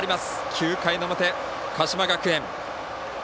９回の表、鹿島学園。